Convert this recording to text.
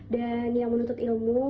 dan yang menuntut ilmu